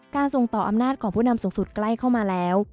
ส่งต่ออำนาจของผู้นำสูงสุดใกล้เข้ามาแล้ว